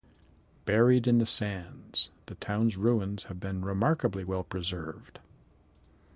Buried in the sands, the town's ruins have been remarkably well preserved.